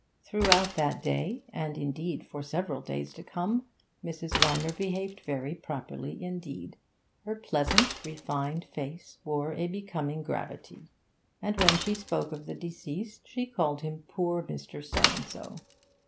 Throughout that day, and, indeed, for several days to come, Mrs. Rymer behaved very properly indeed; her pleasant, refined face wore a becoming gravity, and when she spoke of the deceased she called him poor Mr. So and so.